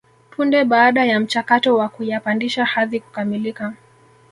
Punde baada ya mchakato wa kuyapandisha hadhi kukamilika